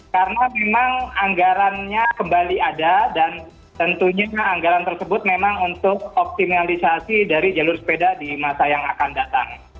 karena memang anggarannya kembali ada dan tentunya anggaran tersebut memang untuk optimalisasi dari jalur sepeda di masa yang akan datang